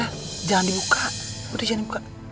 eh jangan dibuka udah jangan dibuka